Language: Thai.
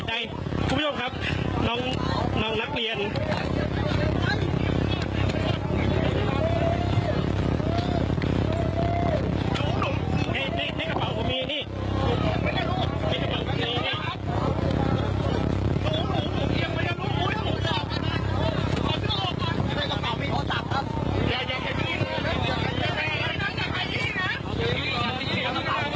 ตาของมันออกไว้ด้วย